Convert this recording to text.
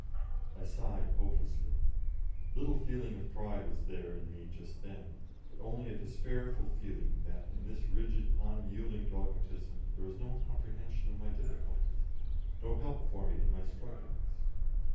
I sighed hopelessly. Little feeling of pride was there in me just then, but only a despairful feeling that in this rigid, unyielding dogmatism there was no comprehension of my difficulties, no help for me in my strugglings.